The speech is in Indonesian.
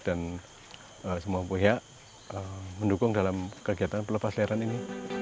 dan semua pihak mendukung dalam kegiatan pelepasliaran ini